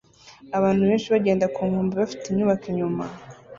Abantu benshi bagenda ku nkombe bafite inyubako inyuma